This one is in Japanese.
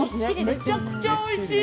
めちゃくちゃおいしい。